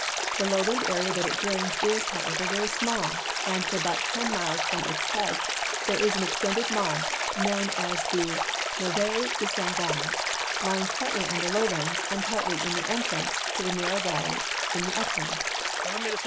The lowland area that it drains is, however, very small, and for about ten miles from its head there is an extended marsh, known as the Marais de St. Gond, lying partly on the lowlands and partly in the entrance to the narrow valley in the U})land.